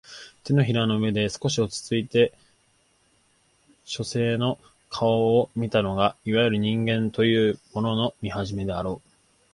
掌の上で少し落ちついて書生の顔を見たのがいわゆる人間というものの見始めであろう